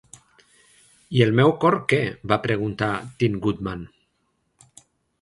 "I el meu cor, què?", va preguntar Tin Woodman.